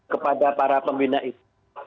kepada para pembina itu